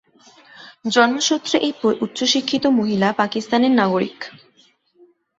জন্ম সূত্রে এই উচ্চ শিক্ষিত মহিলা পাকিস্তানের নাগরিক।